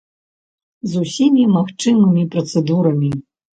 З усімі магчымымі працэдурамі.